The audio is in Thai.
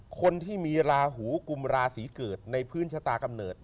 คนที่มีราหูกุมราศีเกิดในพื้นชะตากำเนิด